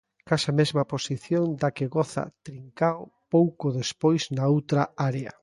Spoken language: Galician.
Case a mesma posición da que goza Trincao pouco despois na outra área.